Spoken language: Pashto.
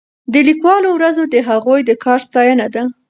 د لیکوالو ورځ د هغوی د کار ستاینه ده.